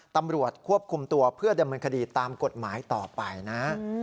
ตำรวจควบคุมตัวเพื่อดำเนินคดีตามกฎหมายต่อไปนะ